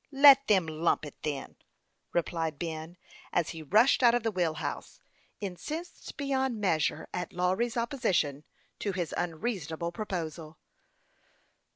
" Let them lump it, then," replied Ben, as he rushed out of the wheel house, incensed beyond measure at Lawry's opposition to his unreasonable proposal.